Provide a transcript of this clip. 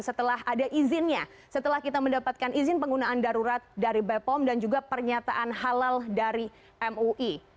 setelah ada izinnya setelah kita mendapatkan izin penggunaan darurat dari bepom dan juga pernyataan halal dari mui